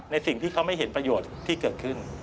สิ่งที่เขาไม่เห็นประโยชน์ที่เกิดขึ้น